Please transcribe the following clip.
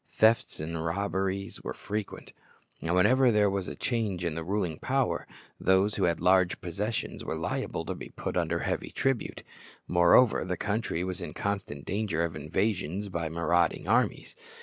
Thefts and robberies were frequent. And whenever there was a change in the ruling power, those who had large possessions were liable to be put under heavy tribute. Moreover the country was in constant danger of invasion by marauding armies.